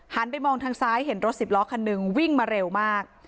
ไปมองทางซ้ายเห็นรถสิบล้อคันหนึ่งวิ่งมาเร็วมาก